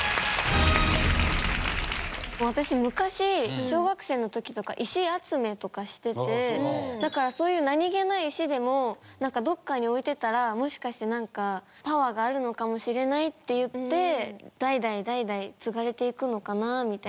私昔小学生の時とか石集めとかしててだからそういう何げない石でもどこかに置いてたらもしかしてなんかパワーがあるのかもしれないっていって代々代々継がれていくのかなみたいな。